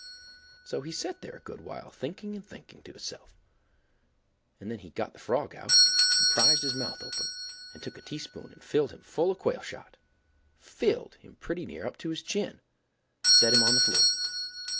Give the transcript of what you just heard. So he set there a good while thinking and thinking to hisself, and then he got the frog out and prized his mouth open and took a teaspoon and filled him full of quail shot—filled! him pretty near up to his chin—and set him on the floor.